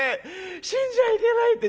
『死んじゃいけない』って」。